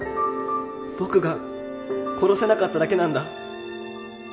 僕が殺せなかっただけなんだ。